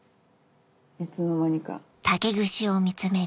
いつの間にか。